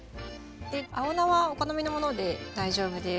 で青菜はお好みのもので大丈夫です。